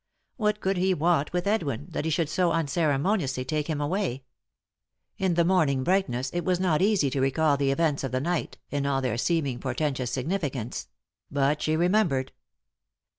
What could he want with Edwin, that he should so unceremoniously take him away ? In the morning brightness it was not easy to recall the events of the night, in all their seeming portentous significance ; but she remembered.